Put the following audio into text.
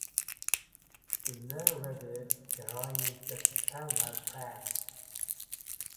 The Nen River drains the Songnen Plain.